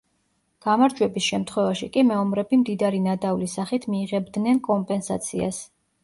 გამარჯვების შემთხვევაში კი მეომრები მდიდარი ნადავლის სახით მიიღებდნენ კომპენსაციას.